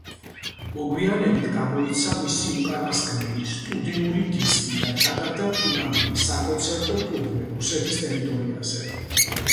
მოგვიანებით გამოიცა მისი უკანასკნელი სტუდიური დისკი და ჩატარდა ფინალური საკონცერტო ტურნე რუსეთის ტერიტორიაზე.